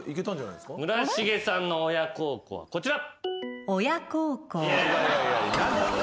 村重さんの「親孝行」はこちら。